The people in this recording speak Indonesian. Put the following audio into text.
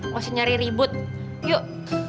ga usah nyari ribut yuk